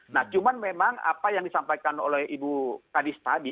nah cuman memang apa yang disampaikan oleh ibu kadis tadi